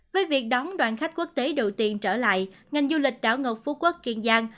với việc đón đoàn khách quốc tế đầu tiên trở lại ngành du lịch đảo ngọc phú quốc kiên giang